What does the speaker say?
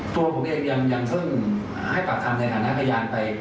ตัวผมเองยังถึงให้ปรักษ์คำในฐานะพยานไป